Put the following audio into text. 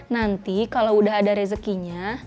nanti kalau udah ada rezekinya